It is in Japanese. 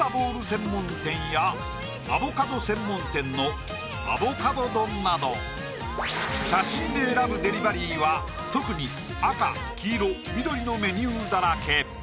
専門店やアボカド専門店のアボカド丼など写真で選ぶデリバリーは特に赤黄色緑のメニューだらけ